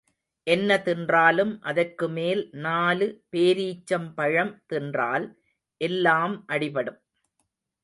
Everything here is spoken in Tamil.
என்ன தின்றாலும் அதற்கு மேல் நாலு பேரீச்சம் பழம் தின்றால் எல்லாம் அடிபடும்.